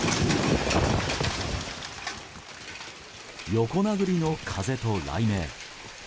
横殴りの風と雷鳴。